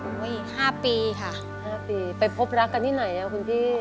โอ้โหอีก๕ปีค่ะไปพบรักกันที่ไหนคุณพี่